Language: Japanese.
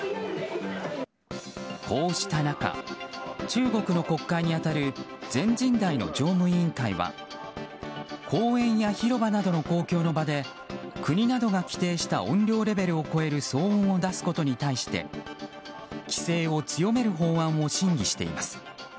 こうした中、中国の国会に当たる全人代の常務委員会は公園や広場などの公共の場で国などが規定した音量レベルを超える騒音を出すことに対して規制を強める法案を審議しています。